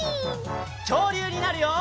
きょうりゅうになるよ！